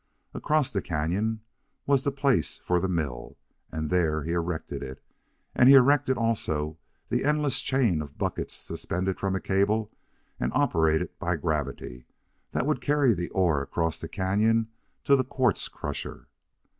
Across the canon was the place for the mill, and there he erected it; and he erected, also, the endless chain of buckets, suspended from a cable and operated by gravity, that would carry the ore across the canon to the quartz crusher.